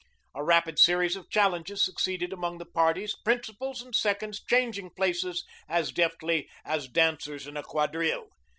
A rapid series of challenges succeeded among the parties, principals and seconds changing places as deftly as dancers in a quadrille.